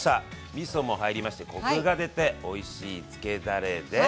みそも入りましてコクが出ておいしいつけだれです！